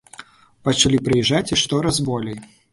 Пачалі прыязджаць і штораз болей!